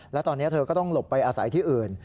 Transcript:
แล้วตอนนี้เธอก็ต้องหลบไปอาศัยที่อื่น